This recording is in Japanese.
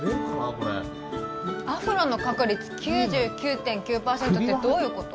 これアフロの確率９９．９％ってどういうこと？